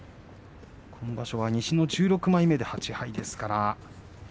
今場所、西の１６枚目３勝８敗です。